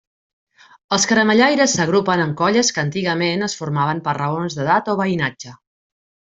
Els caramellaires s'agrupen en colles que antigament es formaven per raons d'edat o veïnatge.